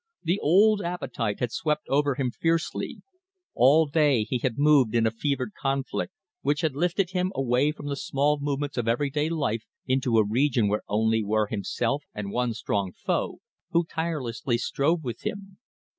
The old appetite had swept over him fiercely. All day he had moved in a fevered conflict, which had lifted him away from the small movements of everyday life into a region where only were himself and one strong foe, who tirelessly strove with him.